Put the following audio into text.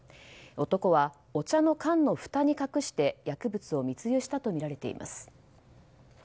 男はお茶の缶のふたに隠して薬物を密輸したとみられています。